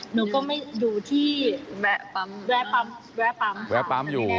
หนูก็ไม่อยู่ที่แวะปั๊มแวะปั๊มแวะปั๊มแวะปั๊มอยู่